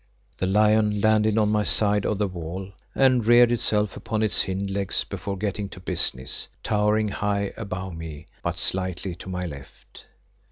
The lion landed on my side of the wall and reared itself upon its hind legs before getting to business, towering high above me but slightly to my left.